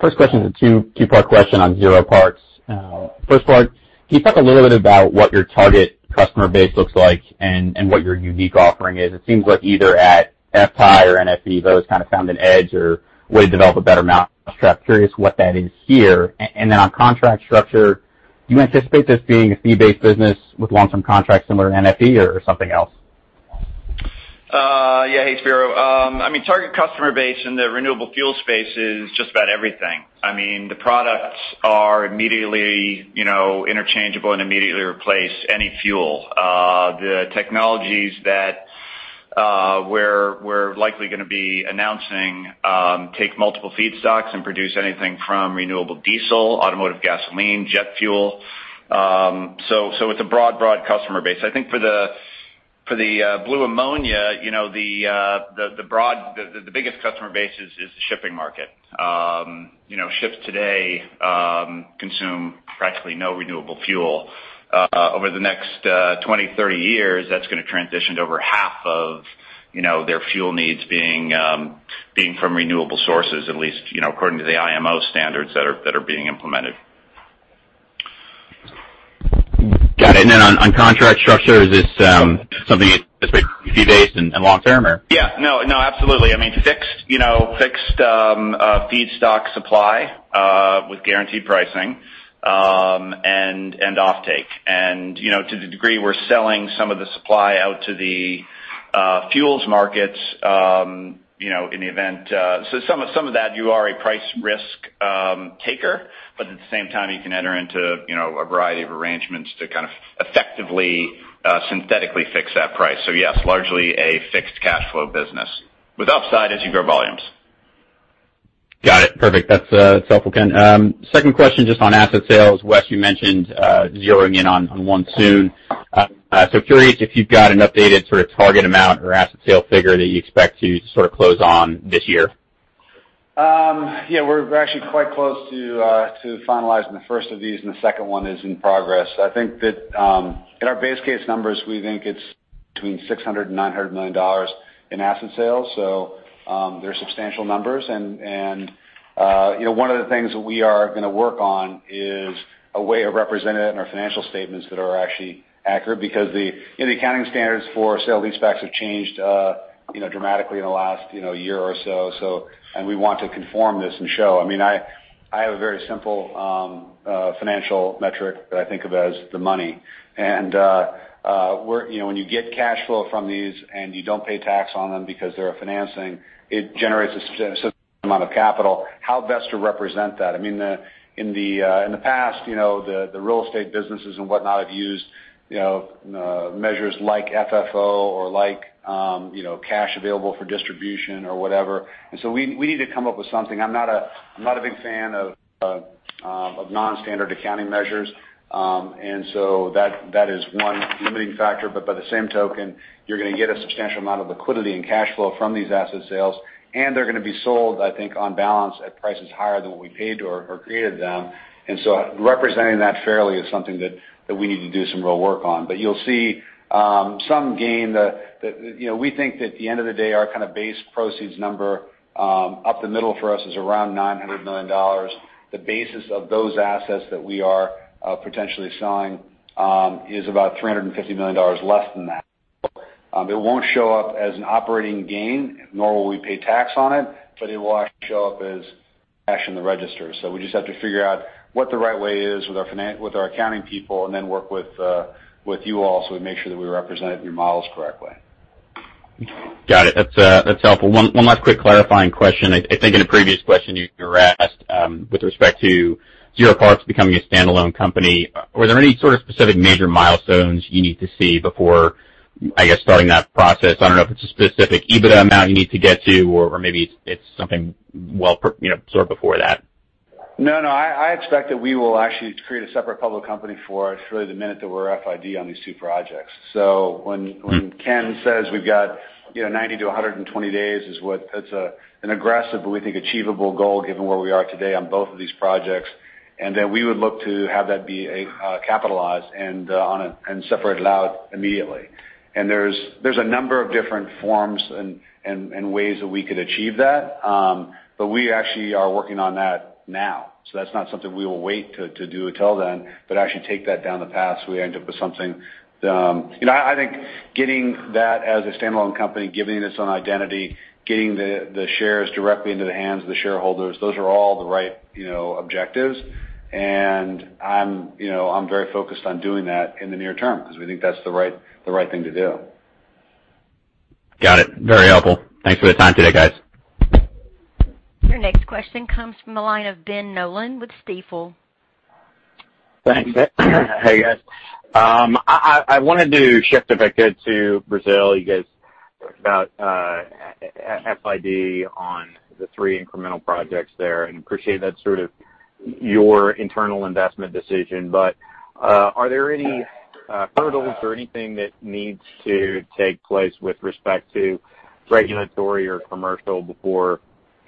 First question is a two-part question on ZeroParks. First part, can you talk a little bit about what your target customer base looks like and what your unique offering is? It seems like either at FTAI or NFE, those kind of found an edge or way to develop a better mousetrap. Curious what that is here. And then on contract structure, do you anticipate this being a fee-based business with long-term contracts similar to NFE or something else? Yeah, Hey Spiro. I mean, target customer base in the renewable fuel space is just about everything. I mean, the products are immediately interchangeable and immediately replace any fuel. The technologies that we're likely going to be announcing take multiple feedstocks and produce anything from renewable diesel, automotive gasoline, jet fuel. So it's a broad, broad customer base. I think for the blue ammonia, the biggest customer base is the shipping market. Ships today consume practically no renewable fuel. Over the next 20, 30 years, that's going to transition to over half of their fuel needs being from renewable sources, at least according to the IMO standards that are being implemented. Got it. And then on contract structure, is this something that's basically fee-based and long-term or? Yeah. No, no, absolutely. I mean, fixed feedstock supply with guaranteed pricing and offtake. And to the degree we're selling some of the supply out to the fuels markets in the event some of that, you are a price risk taker, but at the same time, you can enter into a variety of arrangements to kind of effectively synthetically fix that price. So yes, largely a fixed cash flow business with upside as you grow volumes. Got it. Perfect. That's helpful, Ken. Second question just on asset sales. Wes, you mentioned zeroing in on one soon. So curious if you've got an updated sort of target amount or asset sale figure that you expect to sort of close on this year. Yeah. We're actually quite close to finalizing the first of these, and the second one is in progress. I think that in our base case numbers, we think it's between $600-$900 million in asset sales. So they're substantial numbers. And one of the things that we are going to work on is a way of representing it in our financial statements that are actually accurate because the accounting standards for sale-leasebacks have changed dramatically in the last year or so. And we want to conform this and show. I mean, I have a very simple financial metric that I think of as the money. When you get cash flow from these and you don't pay tax on them because they're financing, it generates a substantial amount of capital. How best to represent that? I mean, in the past, the real estate businesses and whatnot have used measures like FFO or like cash available for distribution or whatever. So we need to come up with something. I'm not a big fan of non-standard accounting measures. So that is one limiting factor. But by the same token, you're going to get a substantial amount of liquidity and cash flow from these asset sales. And they're going to be sold, I mean, on balance at prices higher than what we paid or created them. So representing that fairly is something that we need to do some real work on. But you'll see some gain that we think that at the end of the day, our kind of base proceeds number up the middle for us is around $900 million. The basis of those assets that we are potentially selling is about $350 million less than that. It won't show up as an operating gain, nor will we pay tax on it. But it will actually show up as cash in the register. So we just have to figure out what the right way is with our accounting people and then work with you all so we make sure that we represent it in your models correctly. Got it. That's helpful. One last quick clarifying question. I think in a previous question you were asked with respect to Zero Parks becoming a standalone company, were there any sort of specific major milestones you need to see before, I guess, starting that process? I don't know if it's a specific EBITDA amount you need to get to or maybe it's something well sort of before that. No, no. I expect that we will actually create a separate public company for us really the minute that we're FID on these two projects. So when Ken says we've got 90-120 days is what that's an aggressive, but we think achievable goal given where we are today on both of these projects. And then we would look to have that be capitalized and separated out immediately. And there's a number of different forms and ways that we could achieve that. But we actually are working on that now. So that's not something we will wait to do until then, but actually take that down the path so we end up with something. I think getting that as a standalone company, giving us an identity, getting the shares directly into the hands of the shareholders, those are all the right objectives. And I'm very focused on doing that in the near term because we think that's the right thing to do. Got it. Very helpful. Thanks for the time today, guys. Your next question comes from the line of Ben Nolan with Stifel. Thanks. Hey, guys. I wanted to shift a bit to Brazil. You guys talked about FID on the three incremental projects there and appreciate that sort of your internal investment decision. But are there any hurdles or anything that needs to take place with respect to regulatory or commercial before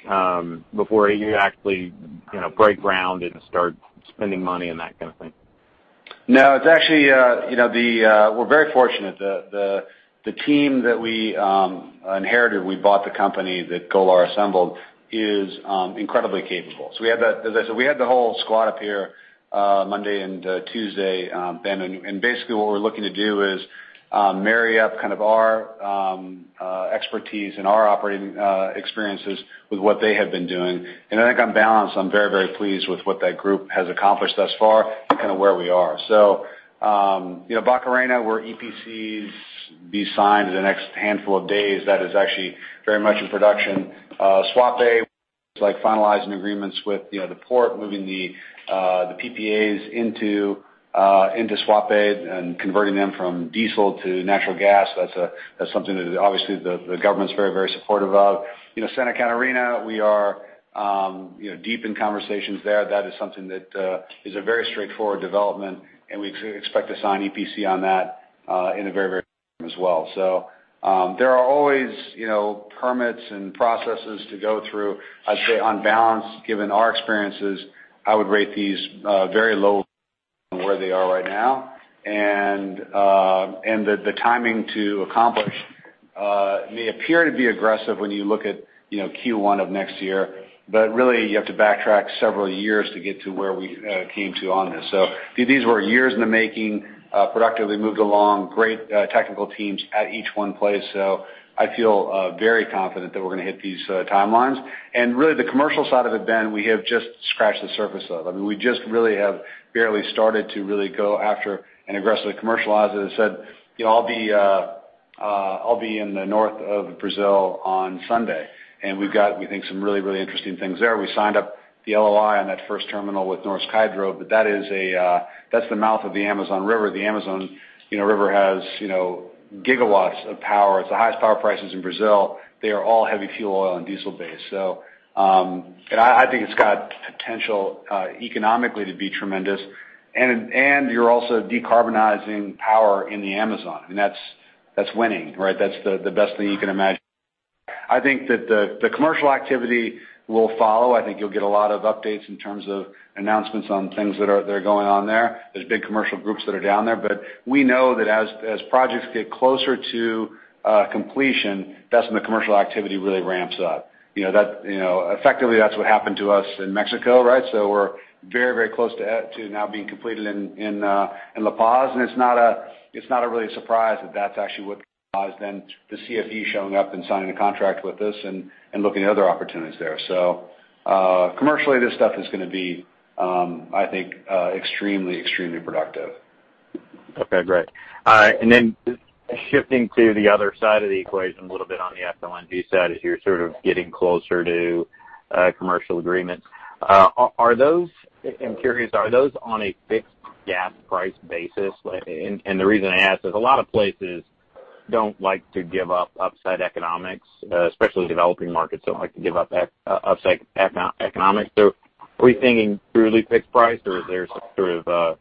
you actually break ground and start spending money and that kind of thing? No, it's actually, we're very fortunate. The team that we inherited, we bought the company that Golar assembled, is incredibly capable. So as I said, we had the whole squad up here Monday and Tuesday, Ben. And basically what we're looking to do is marry up kind of our expertise and our operating experiences with what they have been doing. And I think on balance, I'm very, very pleased with what that group has accomplished thus far and kind of where we are. So Barcarena, where EPCs be signed in the next handful of days, that is actually very much in production. Suape, it's like finalizing agreements with the port, moving the PPAs into Suape and converting them from diesel to natural gas. That's something that obviously the government's very, very supportive of. Santa Catarina, we are deep in conversations there. That is something that is a very straightforward development. We expect to sign EPC on that in a very, very short time as well. So there are always permits and processes to go through. I'd say on balance, given our experiences, I would rate these very low on where they are right now. The timing to accomplish may appear to be aggressive when you look at Q1 of next year. But really, you have to backtrack several years to get to where we came to on this. These were years in the making, productively moved along, great technical teams at each one place. So I feel very confident that we're going to hit these timelines. And really, the commercial side of it, Ben, we have just scratched the surface of. I mean, we just really have barely started to really go after and aggressively commercialize it. I said, "I'll be in the north of Brazil on Sunday." And we've got, we think, some really, really interesting things there. We signed up the LOI on that first terminal with Norsk Hydro, but that is, that's the mouth of the Amazon River. The Amazon River has gigawatts of power. It's the highest power prices in Brazil. They are all heavy fuel oil and diesel-based. So I think it's got potential economically to be tremendous. And you're also decarbonizing power in the Amazon. I mean, that's winning, right? That's the best thing you can imagine. I think that the commercial activity will follow. I think you'll get a lot of updates in terms of announcements on things that are going on there. There's big commercial groups that are down there. But we know that as projects get closer to completion, that's when the commercial activity really ramps up. Effectively, that's what happened to us in Mexico, right? So we're very, very close to now being completed in La Paz. And it's not really a surprise that that's actually what caused then the CFE showing up and signing a contract with us and looking at other opportunities there. So commercially, this stuff is going to be, I think, extremely, extremely productive. Okay. Great. And then shifting to the other side of the equation a little bit on the FLNG side as you're sort of getting closer to commercial agreements. I'm curious, are those on a fixed gas price basis? The reason I ask is a lot of places don't like to give up upside economics, especially developing markets don't like to give up upside economics. Are we thinking truly fixed price, or is there some sort of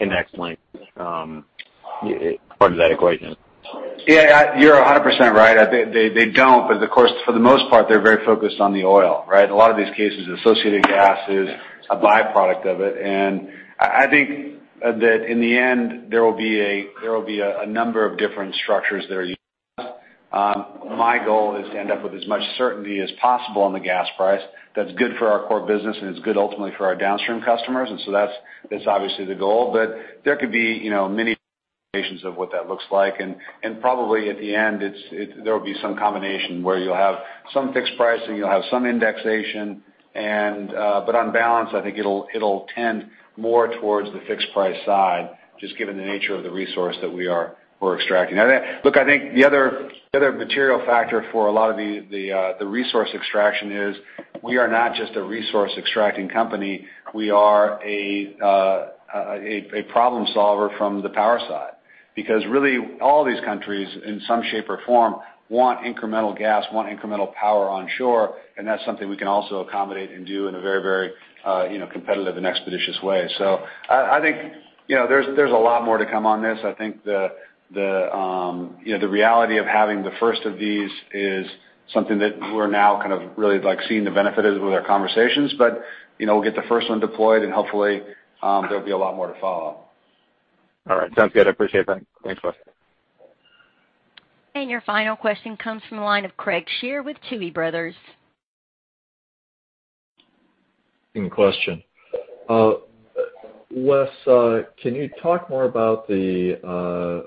index link part of that equation? Yeah. You're 100% right. They don't. Of course, for the most part, they're very focused on the oil, right? A lot of these cases, associated gas is a byproduct of it. I think that in the end, there will be a number of different structures that are used. My goal is to end up with as much certainty as possible on the gas price that's good for our core business and is good ultimately for our downstream customers. That's obviously the goal. There could be many variations of what that looks like. And probably at the end, there will be some combination where you'll have some fixed price and you'll have some indexation. But on balance, I think it'll tend more towards the fixed price side just given the nature of the resource that we are extracting. Look, I think the other material factor for a lot of the resource extraction is we are not just a resource extracting company. We are a problem solver from the power side. Because really, all these countries in some shape or form want incremental gas, want incremental power on shore. And that's something we can also accommodate and do in a very, very competitive and expeditious way. So I think there's a lot more to come on this. I think the reality of having the first of these is something that we're now kind of really seeing the benefit of with our conversations. But we'll get the first one deployed, and hopefully, there'll be a lot more to follow. All right. Sounds good. I appreciate that. Thanks, Wes. And your final question comes from the line of Craig Shere with Tuohy Brothers. Same question. Wes, can you talk more about, or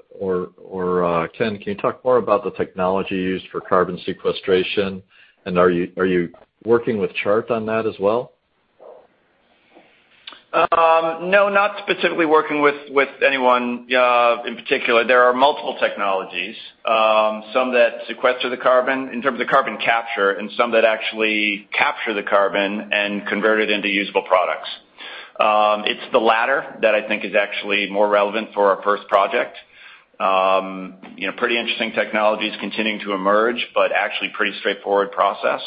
Ken, can you talk more about the technology used for carbon sequestration? And are you working with Chart on that as well? No, not specifically working with anyone in particular. There are multiple technologies, some that sequester the carbon in terms of carbon capture and some that actually capture the carbon and convert it into usable products. It's the latter that I think is actually more relevant for our first project. Pretty interesting technologies continuing to emerge, but actually pretty straightforward process.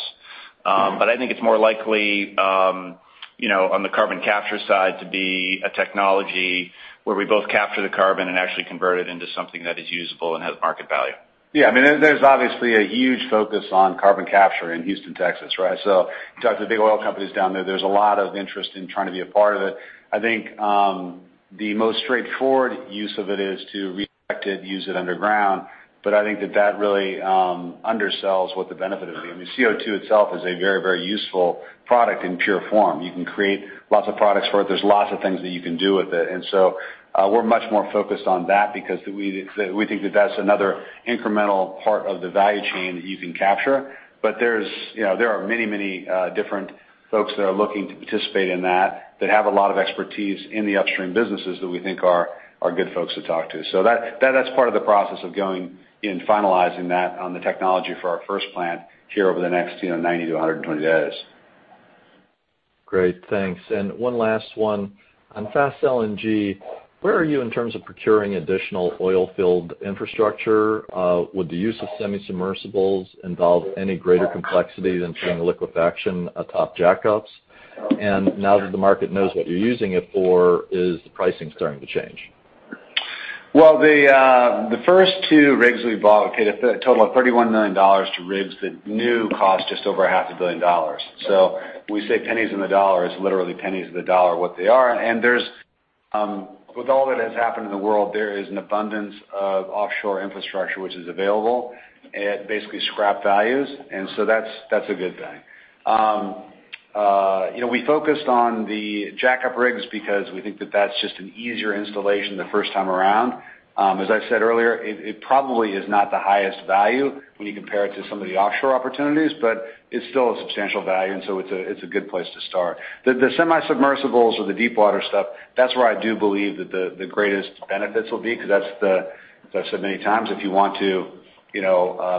I think it's more likely on the carbon capture side to be a technology where we both capture the carbon and actually convert it into something that is usable and has market value. Yeah. I mean, there's obviously a huge focus on carbon capture in Houston, Texas, right? So you talk to the big oil companies down there. There's a lot of interest in trying to be a part of it. I think the most straightforward use of it is to inject it, use it underground. But I think that really undersells what the benefit of it is. I mean, CO2 itself is a very, very useful product in pure form. You can create lots of products for it. There's lots of things that you can do with it. So we're much more focused on that because we think that that's another incremental part of the value chain that you can capture, but there are many, many different folks that are looking to participate in that that have a lot of expertise in the upstream businesses that we think are good folks to talk to. So that's part of the process of going and finalizing that on the technology for our first plant here over the next 90-120 days. Great. Thanks. One last one. On Fast LNG, where are you in terms of procuring additional oil field infrastructure? Would the use of semi-submersibles involve any greater complexity than putting a liquefaction atop jack-ups? And now that the market knows what you're using it for, is the pricing starting to change? The first two rigs we bought, we paid a total of $31 million for rigs that, when new, cost just over $0.5 billion. We say pennies in the dollar is literally pennies in the dollar what they are. With all that has happened in the world, there is an abundance of offshore infrastructure which is available at basically scrap values. That's a good thing. We focused on the jack-up rigs because we think that that's just an easier installation the first time around. As I said earlier, it probably is not the highest value when you compare it to some of the offshore opportunities, but it's still a substantial value. It's a good place to start. The semi-submersibles or the deep water stuff, that's where I do believe that the greatest benefits will be because that's the, as I've said many times, if you want to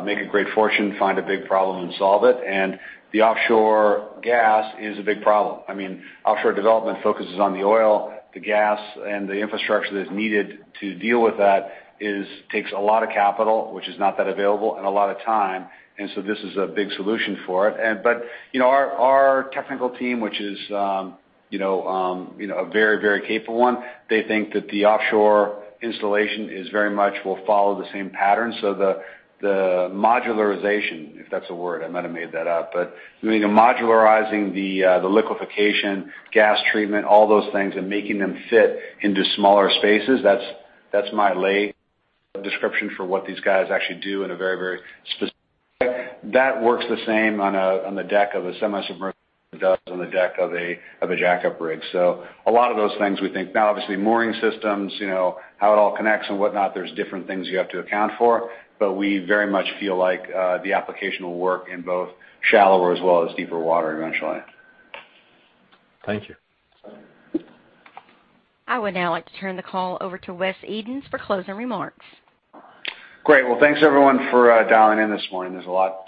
make a great fortune, find a big problem and solve it. And the offshore gas is a big problem. I mean, offshore development focuses on the oil, the gas, and the infrastructure that is needed to deal with that takes a lot of capital, which is not that available, and a lot of time. And so this is a big solution for it. But our technical team, which is a very, very capable one, they think that the offshore installation is very much will follow the same pattern. So the modularization, if that's a word, I might have made that up. But we think of modularizing the liquefaction, gas treatment, all those things, and making them fit into smaller spaces. That's my lay description for what these guys actually do in a very, very specific way. That works the same on the deck of a semi-submersible as it does on the deck of a jack-up rig. So a lot of those things we think now, obviously, mooring systems, how it all connects and whatnot, there's different things you have to account for. But we very much feel like the application will work in both shallower as well as deeper water eventually. Thank you. I would now like to turn the call over to Wes Edens for closing remarks. Great. Well, thanks everyone for dialing in this morning. There's a lot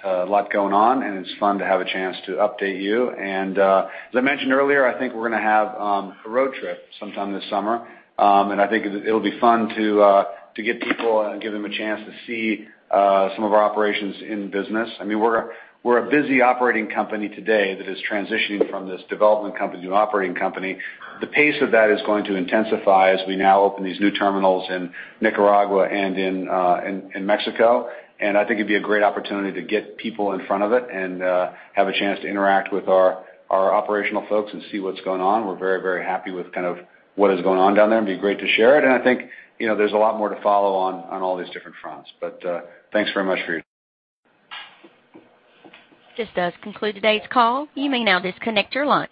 going on, and it's fun to have a chance to update you. And as I mentioned earlier, I think we're going to have a road trip sometime this summer. And I think it'll be fun to get people and give them a chance to see some of our operations in business. I mean, we're a busy operating company today that is transitioning from this development company to an operating company. The pace of that is going to intensify as we now open these new terminals in Nicaragua and in Mexico. And I think it'd be a great opportunity to get people in front of it and have a chance to interact with our operational folks and see what's going on. We're very, very happy with kind of what is going on down there. It'd be great to share it. And I think there's a lot more to follow on all these different fronts. But thanks very much for your time. This does conclude today's call. You may now disconnect your line.